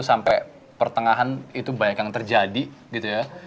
sampai pertengahan itu banyak yang terjadi gitu ya